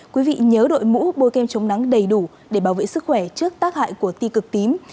quý vị nhớ đội mũ bôi kem chống nắng đầy đủ để bảo vệ sức khỏe trước tác hại của ti cực tím